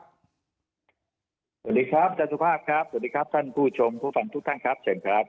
สวัสดีครับอาจารย์สุภาพครับสวัสดีครับท่านผู้ชมผู้ฟังทุกท่านครับเชิญครับ